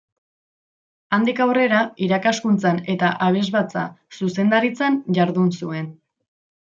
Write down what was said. Handik aurrera irakaskuntzan eta abesbatza zuzendaritzan jardun zuen.